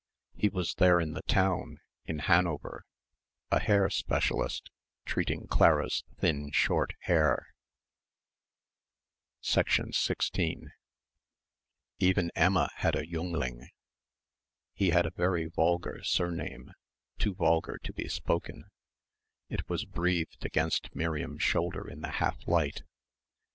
He was there in the town, in Hanover, a hair specialist, treating Clara's thin short hair. 16 Even Emma had a "jüngling." He had a very vulgar surname, too vulgar to be spoken; it was breathed against Miriam's shoulder in the half light.